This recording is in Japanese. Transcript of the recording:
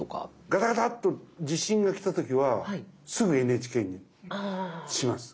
ガタガタっと地震が来た時はすぐＮＨＫにします。